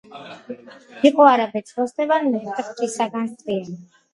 იყო არაბეთს როსტევან მეფე ღვრთისაგან სვიანი